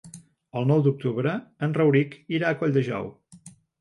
El nou d'octubre en Rauric irà a Colldejou.